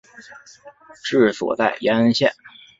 治所在延恩县。